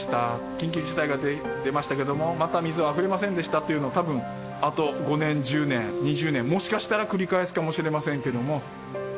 緊急事態が出ましたけれども、また水はあふれませんでしたっていうのを、たぶんあと５年、１０年、２０年、もしかしたら繰り返すかもしれませんけれども。